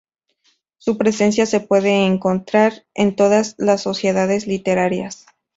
Su presencia se puede encontrar en todas las sociedades literarias.